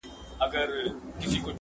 زما زړۀ کي فقط تۀ خلکو پیدا کړې ,